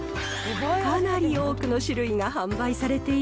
かなり多くの種類が販売されてい